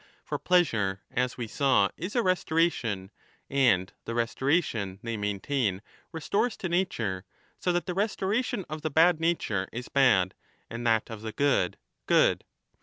For pleasure, as we saw,^ is a restoration, and the restoration, they maintain, restores to nature, so that the restoration of the bad nature is bad, and that of the good, good.